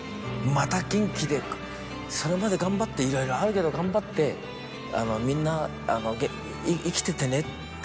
また元気でそれまで頑張っていろいろあるけど頑張ってみんな生きててねって。